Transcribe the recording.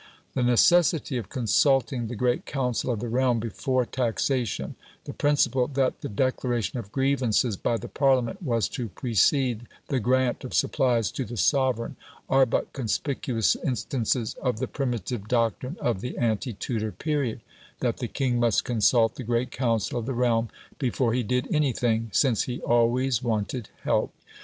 The necessity of consulting the great council of the realm before taxation, the principle that the declaration of grievances by the Parliament was to precede the grant of supplies to the sovereign, are but conspicuous instances of the primitive doctrine of the ante Tudor period, that the king must consult the great council of the realm, before he did anything, since he always wanted help.